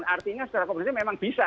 artinya secara kompetitif memang bisa